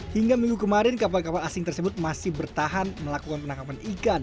hingga minggu kemarin kapal kapal asing tersebut masih bertahan melakukan penangkapan ikan